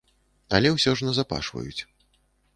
Але ўсё ж назапашваюць.